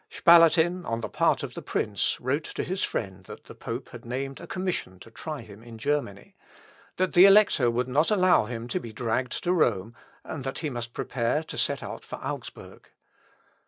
Spalatin, on the part of the prince, wrote to his friend that the pope had named a commission to try him in Germany; that the Elector would not allow him to be dragged to Rome; and that he must prepare to set out for Augsburg.